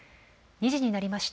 ２時になりました。